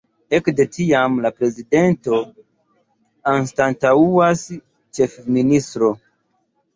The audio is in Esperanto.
Ekde tiam, la prezidenton anstataŭas ĉefministro.